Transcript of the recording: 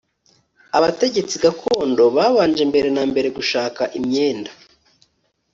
abategetsi gakondo babanje mbere na mbere gushaka imyenda